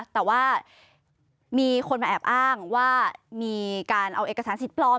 แต่ว่ามีคนมาแอบอ้างว่ามีการเอาเอกสารสิทธิ์ปลอม